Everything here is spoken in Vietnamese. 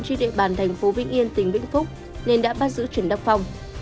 trên địa bàn thành phố vĩnh yên tỉnh vĩnh phúc nên đã bắt giữ trần đắc phong